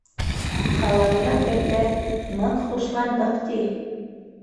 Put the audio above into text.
Ҡалайыраҡ әйтә, «ныҡ хушландыҡ», ти.